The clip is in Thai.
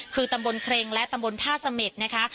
คือตำบลเครงและตำบลท่าเสม็ดนะคะ